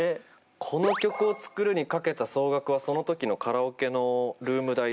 この曲を作るにかけた総額はその時のカラオケのルーム代だけなので。